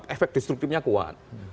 efek destruktifnya kuat